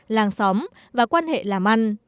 làng xóm và quan hệ làm ăn